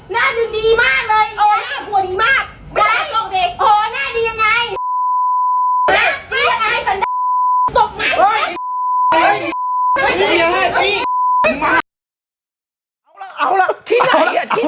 น่าดียังไง